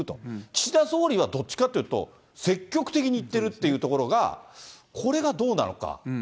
岸田総理はどっちかというと、積極的にいってるっていうところが、これがどうなのか。